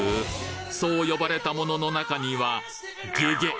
そう呼ばれたものの中にはげげっ！？